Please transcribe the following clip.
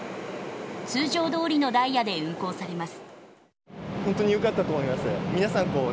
通常どおりのダイヤで運行されます。